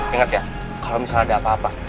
ingat ya kalau misalnya ada apa apa